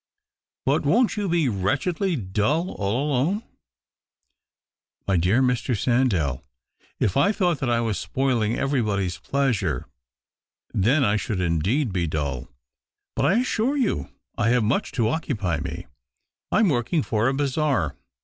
" But won't you be wretchedly dull all done?" " My dear Mr. Sandell, if I thought that [ Avas spoiling everybody's pleasure, then I should indeed be dull. But I assure you I lave much to occupy me. I'm working for I bazaar.